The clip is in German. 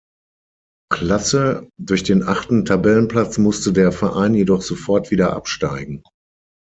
Klasse, durch den achten Tabellenplatz musste der Verein jedoch sofort wieder absteigen.